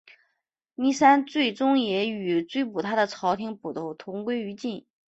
倪三最终也与追捕他的朝廷捕头同归于尽。